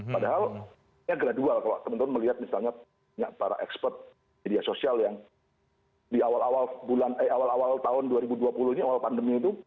padahal gradual kalau teman teman melihat misalnya para ekspert media sosial yang di awal awal bulan eh awal awal tahun dua ribu dua puluh ini awal pandemi itu